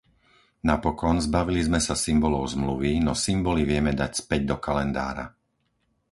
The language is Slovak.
Napokon, zbavili sme sa symbolov Zmluvy, no symboly vieme dať späť do kalendára.